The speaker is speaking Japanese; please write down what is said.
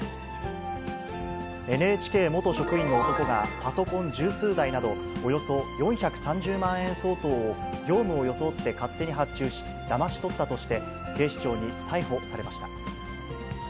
ＮＨＫ元職員の男が、パソコン十数台など、およそ４３０万円相当を、業務を装って勝手に発注し、だまし取ったとして、警視庁に逮捕されました。